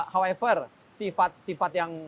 however sifat sifat yang